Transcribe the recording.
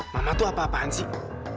mama tuh apa apaan sih